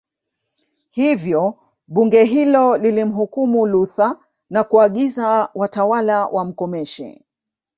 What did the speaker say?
Hivyo Bunge hilo lilimhukumu Luther na kuagiza watawala wamkomeshe